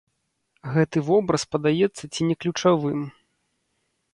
Гэты вобраз падаецца ці не ключавым.